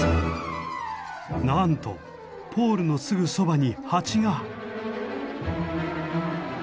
なんとポールのすぐそばに蜂が！